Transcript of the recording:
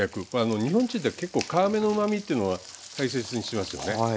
日本人って結構皮目のうまみというのは大切にしますよね。